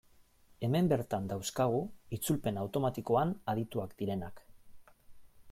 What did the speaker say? Hemen bertan dauzkagu itzulpen automatikoan adituak direnak.